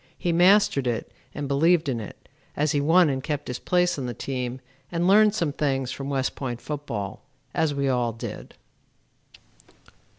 He mastered it and believed in it, as he won and kept his place on the team and learned some things from West Point football, as we all did.